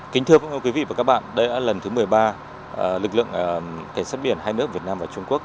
kính thưa quý vị và các bạn đây là lần thứ một mươi ba lực lượng cảnh sát biển hai nước việt nam và trung quốc